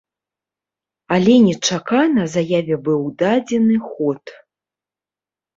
Але нечакана заяве быў дадзены ход.